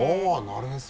なるへそ。